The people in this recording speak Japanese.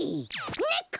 ねっこ！